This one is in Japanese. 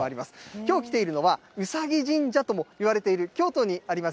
きょう来ているのは、うさぎ神社ともいわれている京都にあります